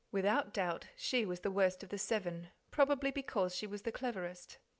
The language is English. Without doubt she was the worst of the seven, probably because she was the cleverest.